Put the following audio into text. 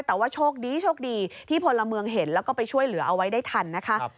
แต่ว่าโชคดีโชคดีที่พลเมืองเห็นแล้วก็ไปช่วยเหลือเอาไว้ได้ทันนะคะ